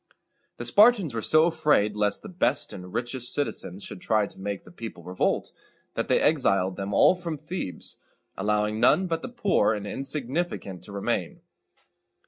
The Spartans were so afraid lest the best and richest citizens should try to make the people revolt, that they exiled them all from Thebes, allowing none but the poor and insignificant to remain.